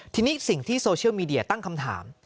ทีนี้สิ่งที่โซเชียลมีเดียตั้งคำถาม